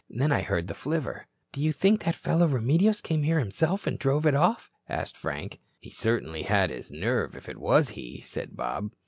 Then I heard the flivver." "Do you think that fellow Remedios came here himself and drove it off?" asked Frank. "He certainly had his nerve, if it was he," said Bob.